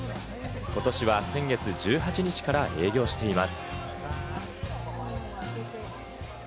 ことしは先月１８日から営業しています。